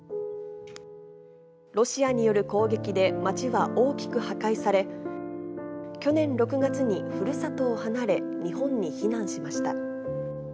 ロシアによる攻撃で街は大きく破壊され、去年６月にふるさとを離れ、日本に避難しました。